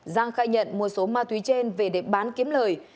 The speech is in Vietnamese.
giang khai nhận mua số ma túy trên về để bán kiếm lời